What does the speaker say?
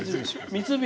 三菱！